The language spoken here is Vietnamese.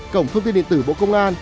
cổng thông tin điện tử bộ công an